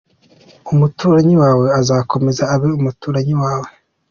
Umuturanyi wawe azakomeza abe umuturanyi wawe.